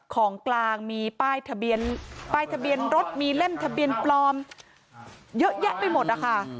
ของกลางมีป้ายทะเบียนรถมีเล่มทะเบียนปลอมเยอะแยะไปหมดค่ะ